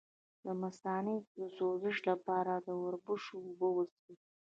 د مثانې د سوزش لپاره د وربشو اوبه وڅښئ